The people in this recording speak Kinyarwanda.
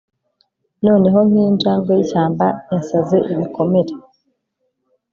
Noneho nkinjangwe yishyamba yasaze ibikomere